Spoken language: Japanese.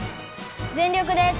全力です！